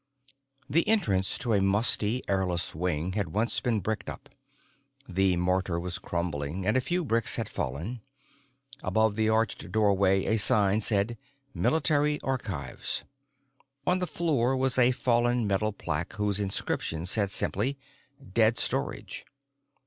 The entrance to a musty, airless wing had once been bricked up. The mortar was crumbling and a few bricks had fallen. Above the arched doorway a sign said Military Archives. On the floor was a fallen metal plaque whose inscription said simply Dead Storage.